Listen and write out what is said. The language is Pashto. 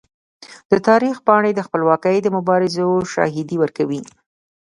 د تاریخ پاڼې د خپلواکۍ د مبارزو شاهدي ورکوي.